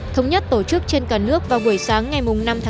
thống nhất tổ chức trên cả nước vào buổi sáng ngày năm chín